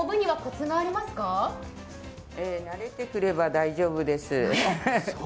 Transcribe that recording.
慣れてくれば大丈夫です。